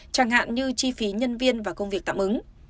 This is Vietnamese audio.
chẳng hạn như chi phí nhân viên và công việc tạm ứng